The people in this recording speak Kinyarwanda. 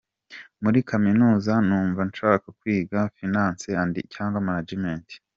Muri kaminuza numva nshaka kwiga Finance and management!.